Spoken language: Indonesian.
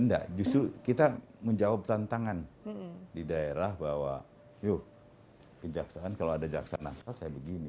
tidak justru kita menjawab tantangan di daerah bahwa yuk kejaksaan kalau ada jaksa nakal saya begini